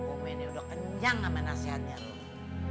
umi ini udah kenyang sama nasihatnya rom